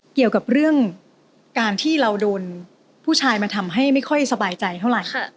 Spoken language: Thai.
เกี่ยวกับเรื่องการที่เราโดนผู้ชายมาทำให้ไม่ค่อยสบายใจเท่าไหร่